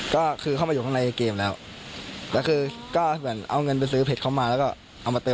แล้วมันจะสามารถซื้อตัวซื้ออะไรได้ซื้อของได้